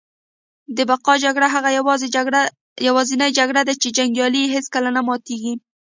د بقا جګړه هغه یوازینۍ جګړه ده چي جنګیالي یې هیڅکله نه ماتیږي